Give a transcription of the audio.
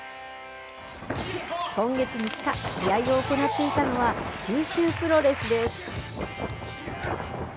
今月３日、試合を行っていたのは、九州プロレスです。